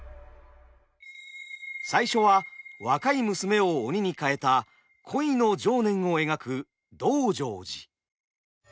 最初は若い娘を鬼に変えた恋の情念を描く「道成寺」。